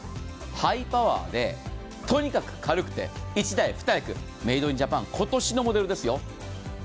ハイパワーでとにかく軽くて１台２役、メイド・イン・ジャパン、今年のモデルですよ。